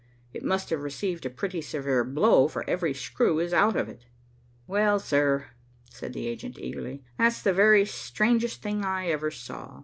It must have received a pretty severe blow, for every screw is out of it." "Well, sir," said the agent eagerly, "that's the very strangest thing I ever saw.